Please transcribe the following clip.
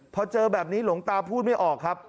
พอเจอแบบนี้หลวงตาพูดไม่ออกครับ